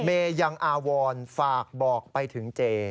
เมย์ยังอาวรฝากบอกไปถึงเจ